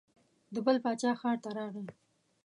د بل باچا ښار ته راغی.